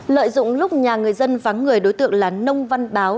lợi dụng lúc nhà người dân vắng người đối tượng là nông văn báo